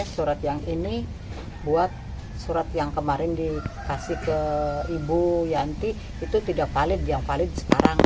surat yang kemarin dikasih ke ibu yanti itu tidak valid yang valid sekarang